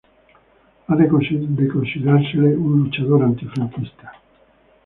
Ha de considerársele un luchador antifranquista.